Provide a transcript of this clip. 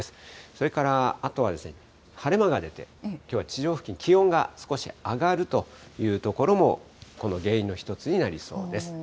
それからあとはですね、晴れ間が出て、きょうは地上付近、気温が少し上がるという所もこの原因の一つになりそうです。